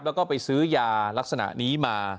แล้วก็ไปซื้อยาลักษณะนี้มา